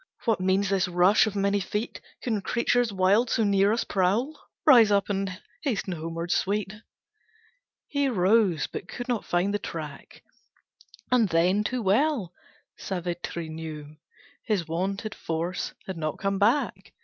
What means this rush of many feet? Can creatures wild so near us prowl? Rise up, and hasten homewards, sweet!" He rose, but could not find the track, And then, too well, Savitri knew His wonted force had not come back.